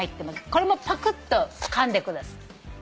これもパクッとかんでください。